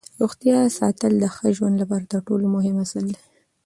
روغتیا ساتل د ښه ژوند لپاره تر ټولو مهم اصل دی